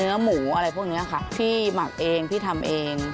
เนื้อหมูอะไรพวกนี้ค่ะพี่หมักเองพี่ทำเอง